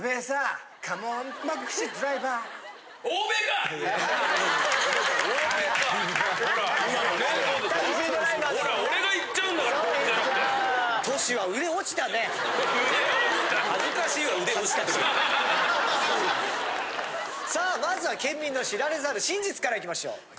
さあまずはケンミンの知られざる真実からいきましょう。